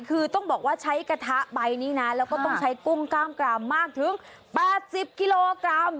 คือต้องบอกว่าใช้กระทะใบนี้นะแล้วก็ต้องใช้กุ้งกล้ามกรามมากถึง๘๐กิโลกรัม